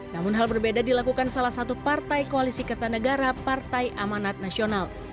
namun hal berbeda dilakukan salah satu partai koalisi kertanegara partai amanat nasional